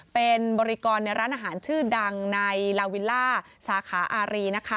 เป็นบริกรในร้านอาหารชื่อดังในลาวิลล่าสาขาอารีนะคะ